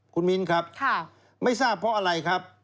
คุณมิ้นครับไม่ทราบเพราะอะไรครับ